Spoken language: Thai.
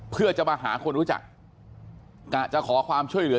เพื่อจะมาหาคนรู้จักกะจะขอความช่วยเหลือ